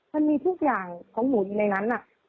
มันมีทุกอย่างของหนูอยู่ในนั้น